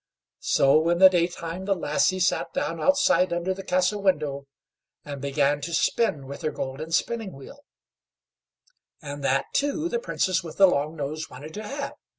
So, in the daytime, the lassie sat down outside under the castle window, and began to spin with her golden spinning wheel, and that, too, the Princess with the long nose wanted to have.